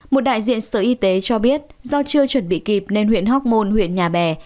một đại diện sở y tế cho biết do chưa chuẩn bị kịp nên huyện hoc mon huyện nhà bè